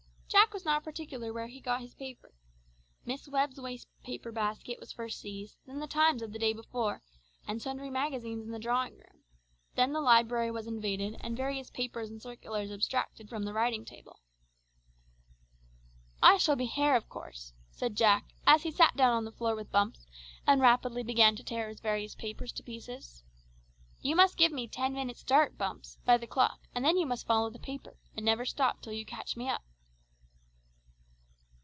Jack was not particular where he got his paper. Miss Webb's waste paper basket was first seized, then The Times of the day before and sundry magazines in the drawing room, then the library was invaded and various papers and circulars abstracted from the writing table. "I shall be hare, of course," said Jack as he sat down on the floor with Bumps, and rapidly began to tear his various papers to pieces. "You must give me ten minutes' start, Bumps, by the clock, and then you must follow the paper, and never stop till you catch me up."